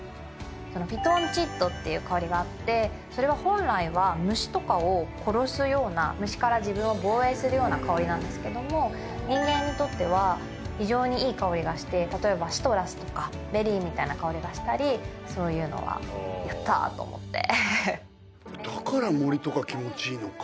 フィトンチッドっていう香りがあってそれは本来は虫とかを殺すような虫から自分を防衛するような香りなんですけども人間にとっては非常にいい香りがして例えばシトラスとかベリーみたいな香りがしたりそういうのはやったと思って。